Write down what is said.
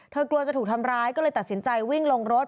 กลัวจะถูกทำร้ายก็เลยตัดสินใจวิ่งลงรถ